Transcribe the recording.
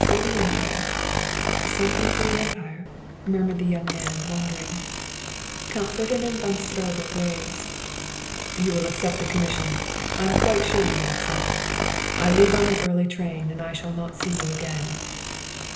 "For the Empire something for the Empire?" murmured the young man, wondering. Count Ferdinand von Stroebel rose. "You will accept the commission I am quite sure you will accept. I leave on an early train, and I shall not see you again."